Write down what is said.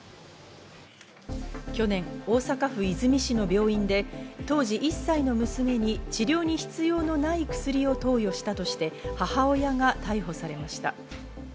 去年、大阪府和泉市の病院で当時１歳の娘に治療に必要のない薬を投与したとして母親が逮捕されました。